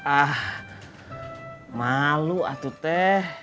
ah malu atut teh